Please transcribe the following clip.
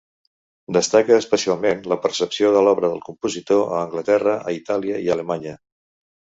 Destaca especialment la percepció de l’obra del compositor a Anglaterra, a Itàlia i a Alemanya.